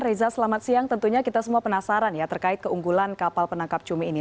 reza selamat siang tentunya kita semua penasaran ya terkait keunggulan kapal penangkap cumi ini